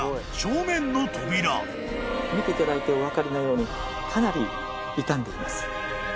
見ていただいてお分かりのようにかなり傷んでいます。